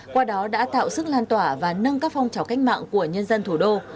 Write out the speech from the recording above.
qua đó đã tạo sức lan tỏa và nâng các phong trào cách mạng của nhân dân thủ đô